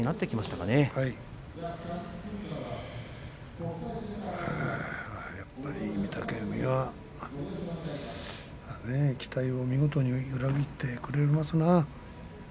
はいやっぱり御嶽海は期待を実に見事に裏切ってくれますな。